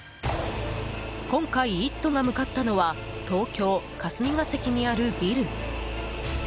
今回「イット！」が向かったのは東京・霞が関にあるビル。